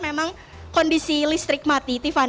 memang kondisi listrik mati tiffany